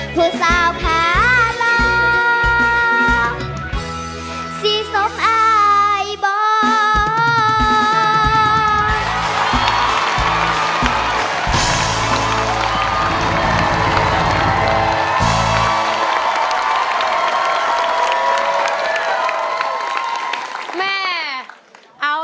ผู้สาวขาลอ